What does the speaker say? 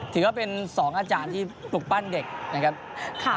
ถือเป็น๒อาจารย์ที่ปลูกปั้นเด็ก